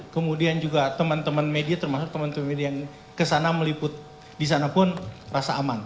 kemudian juga teman teman media termasuk teman teman media yang kesana meliput di sana pun rasa aman